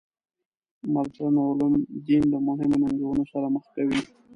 مډرن علوم دین له مهمو ننګونو سره مخ کوي.